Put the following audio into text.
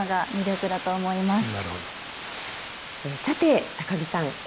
さて高木さん